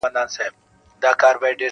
زه دي پلار یم نصیحت مکوه ماته,